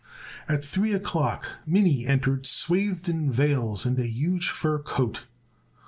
At three o'clock Minnie entered swathed in veils and a huge fur coat.